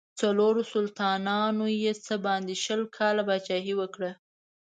څلورو سلطانانو یې څه باندې شل کاله پاچهي وکړه.